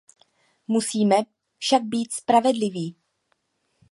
Musíme však být spravedliví.